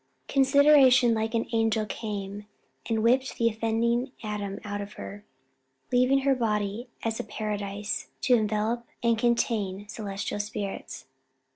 Consideration like an angel came And whipped the offending Adam out of her; Leaving her body as a paradise To envelope and contain celestial spirits.